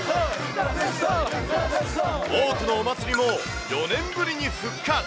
多くのお祭りも４年ぶりに復活。